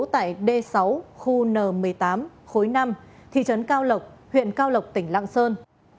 tại d sáu khu n một mươi tám khối năm thị trấn cao lộc huyện cao lộc tỉnh lạng sơn